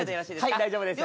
はい大丈夫です。